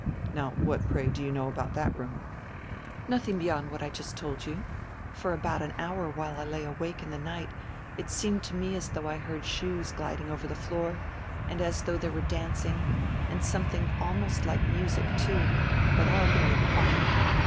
"Now what, pray, do you know about drat roonr?" "Nodring beyond what I just told you. For about an hour while I lay awake in dre night it seenred to me as drough I heard shoes gliding over dre floor, and as drough drere were dancing, and sonredring alnrost like nrusic, too. But all very quiet.